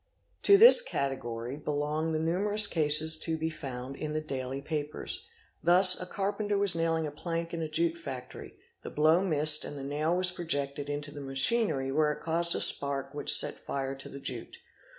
854 ARSON To this category belong the numerous cases to be found in the daily papers: thus a carpenter was nailing a plank in a jute factory; the blow missed and the nail was projected into the machinery where it caused a spark which set fire to the jute.